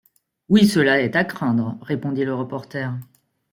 Oui cela est à craindre répondit le reporter